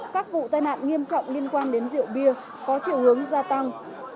các vụ tai nạn nghiêm trọng liên quan đến rượu bia có chiều hướng gia tăng